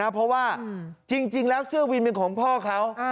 เพราะว่าจริงแล้วเสื้อวินเป็นของพ่อเขา